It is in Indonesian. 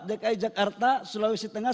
dki jakarta sulawesi tengah